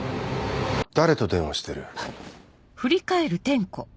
誰と電話してる？